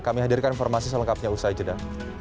kami hadirkan informasi selengkapnya usai jeda